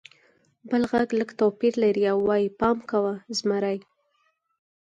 بل غږ لږ توپیر لري او وایي: «پام کوه! زمری!»